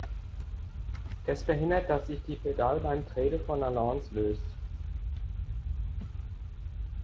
Das verhindert, dass sich die Pedale beim Treten von alleine löst.